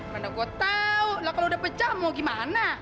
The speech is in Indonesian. karena gua tahu lah kalau udah pecah mau gimana